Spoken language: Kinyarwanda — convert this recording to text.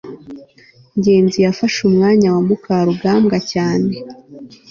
ngenzi yafashe umwanya wa mukarugambwa cyane